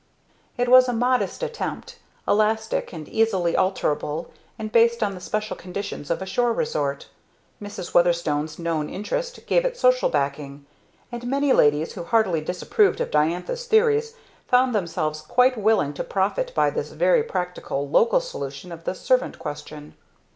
It was a modest attempt, elastic and easily alterable and based on the special conditions of a shore resort: Mrs. Weatherstone's known interest gave it social backing; and many ladies who heartily disapproved of Diantha's theories found themselves quite willing to profit by this very practical local solution of the "servant question."